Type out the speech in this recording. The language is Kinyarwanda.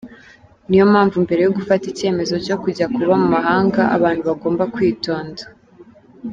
Niyo mpamvu mbere yo gufata icyemezo cyo kujya kuba mu mahanga, abantu bagomba kwitonda.